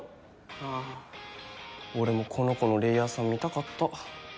あぁ俺もこの子のレイヤーさん見たかった。